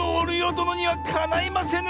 どのにはかないませぬ！